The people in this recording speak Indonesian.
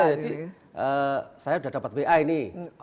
iya jadi saya udah dapat wa ini